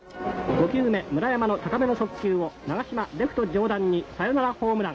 ５球目、村山の高めの速球を、長嶋、レフト上段にサヨナラホームラン。